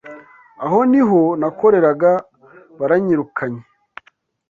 Aho niho nakoreraga baranyirukanye.